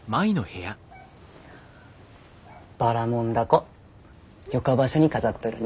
ばらもん凧よか場所に飾っとるね。